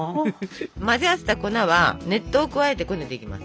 混ぜ合わせた粉は熱湯を加えてこねていきます。